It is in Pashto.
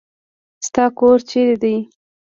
ستا کور چيري دی.